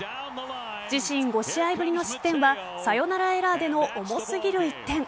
自身５試合ぶりの失点はサヨナラエラーでの重すぎる１点。